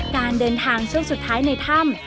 การเดินทางช่วงสุดท้ายในถ้ำ